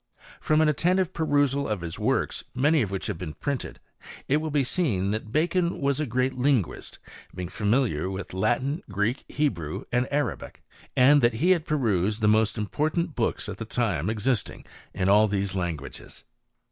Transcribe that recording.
From an attentive perusal of his works, many ci which have been printed, it will be seen that Bacofl was a great linguist, being familiar with Latin, Greek Hebrew, and Arabic; and that he had perused thi most important books at that time existing in all thes languages.